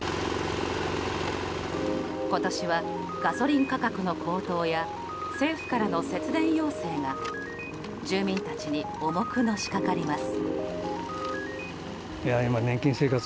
今年はガソリン価格の高騰や政府からの節電要請が住民たちに重くのしかかります。